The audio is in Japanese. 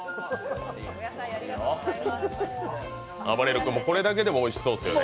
あばれる君、これだけでもおいしそうですよね。